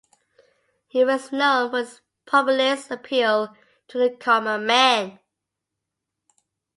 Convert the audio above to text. He was known for his populist appeal to the common man.